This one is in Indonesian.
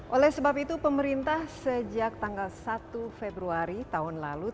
oleh sebab itu pemerintah sejak tanggal satu februari tahun lalu